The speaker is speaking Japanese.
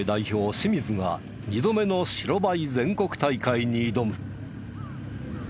清水が２度目の白バイ全国大会に挑む。